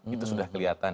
itu sudah kelihatan